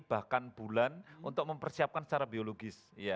bahkan bulan untuk mempersiapkan secara biologis